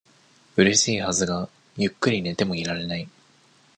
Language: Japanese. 嬉しいはずが、ゆっくり寝てもいられない。